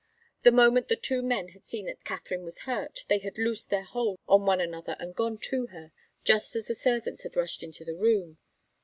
The moment the two men had seen that Katharine was hurt, they had loosed their hold on one another and gone to her, just as the servants had rushed into the room.